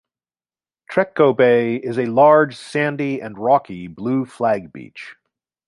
Trecco Bay is a large, sandy and rocky Blue Flag beach.